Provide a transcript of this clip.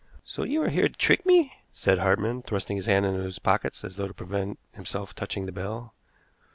"So you are here to trick me?" said Hartmann, thrusting his hands into his pockets as though to prevent himself touching the bell.